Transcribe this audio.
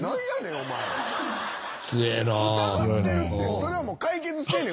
それは解決してんねん。